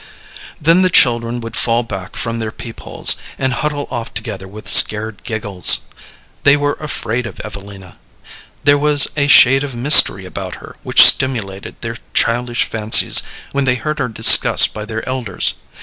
Then the children would fall back from their peep holes, and huddle off together with scared giggles. They were afraid of Evelina. There was a shade of mystery about her which stimulated their childish fancies when they heard her discussed by their elders.